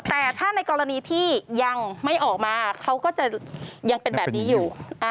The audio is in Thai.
แต่ถ้าในกรณีที่ยังไม่ออกมาเขาก็จะยังเป็นแบบนี้อยู่